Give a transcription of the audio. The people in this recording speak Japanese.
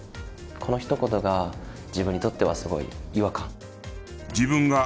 このひと言が自分にとってはすごい違和感。